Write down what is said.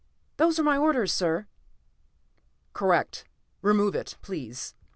"Those were my orders, sir." "Correct. Remove it, please."